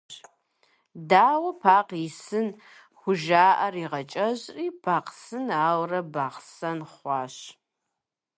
«Дау Пакъ и сын» жыхуаӏэр ягъэкӏэщӏри, Пакъсын, ауэрэ Бахъсэн хъуащ.